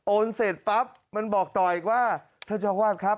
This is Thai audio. เสร็จปั๊บมันบอกต่ออีกว่าท่านเจ้าวาดครับ